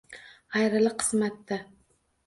Ayriliq qismatda